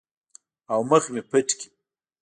او مخ مې پټ کړي.